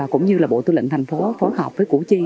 cũng như bộ tư lệnh thành phố phối hợp với củ chi